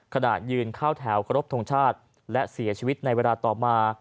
ขณะยืนเข้าแถวเคารพทงชาติและเสียชีวิตในเวลาต่อมา